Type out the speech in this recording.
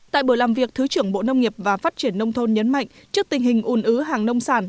tại buổi làm việc thứ trưởng bộ nông nghiệp và phát triển nông thôn nhấn mạnh trước tình hình ùn ứ hàng nông sản